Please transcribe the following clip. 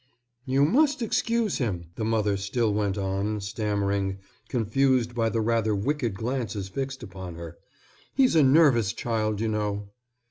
"You must excuse him," the mother still went on, stammering, confused by the rather wicked glances fixed upon her, "he's a nervous child, you know."